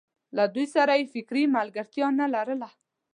له دوی سره یې فکري ملګرتیا نه لرله.